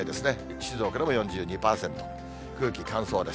静岡でも４２％、空気乾燥です。